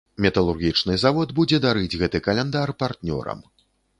Металургічны завод будзе дарыць гэты каляндар партнёрам.